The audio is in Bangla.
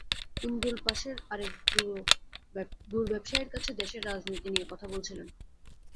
ইমরুল পাশের আরেক গুড় ব্যবসায়ীর কাছে দেশের রাজনীতি নিয়ে কথা বলছিলেন।